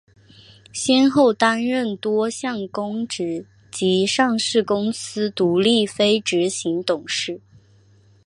先后担任多项公职及上市公司独立非执行董事。